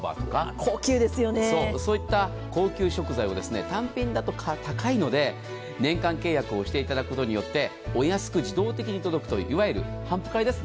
そういった高級食材を単品だと高いので年間契約をしていただくことによってお安く自動的に届くといういわゆる頒布会です。